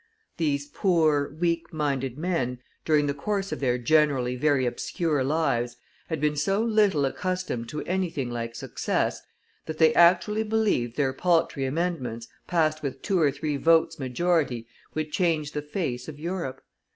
These poor, weak minded men, during the course of their generally very obscure lives, had been so little accustomed to anything like success, that they actually believed their paltry amendments, passed with two or three votes majority, would change the face of Europe.